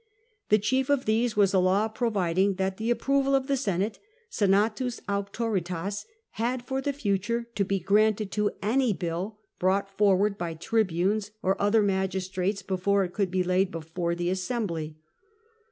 The chief of these was a law providing that the approval of the Senate — awtoritas — had for the future to be granted to any bill brought forward by tribunes, or other magistrates, before it could be laid before the assembly.